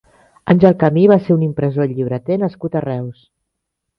Àngel Camí va ser un impressor i llibreter nascut a Reus.